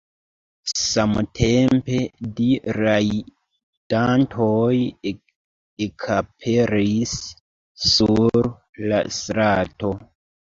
Samtempe du rajdantoj ekaperis sur la strato.